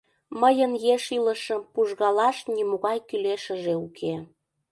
Мыйын еш илышым пужгалаш нимогай кӱлешыже уке.